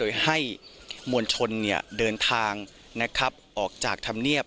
โดยให้มวลชนเดินทางออกจากธรรมเงียบ